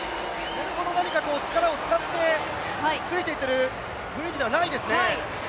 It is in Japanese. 力を使ってついていっている雰囲気ではないですね。